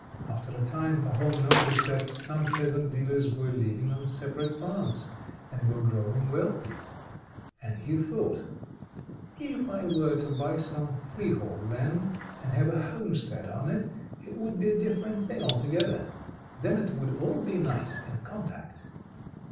After a time Pahom noticed that some peasant dealers were living on separate farms, and were growing wealthy; and he thought: "If I were to buy some freehold land, and have a homestead on it, it would be a different thing, altogether. Then it would all be nice and compact."